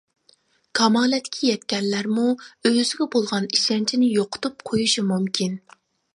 كامالەتكە يەتكەنلەرمۇ ئۆزىگە بولغان ئىشەنچىنى يوقىتىپ قويۇشى مۇمكىن.